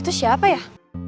itu siapa ya